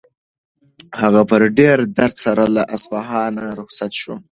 هغه په ډېر درد سره له اصفهانه رخصت شو.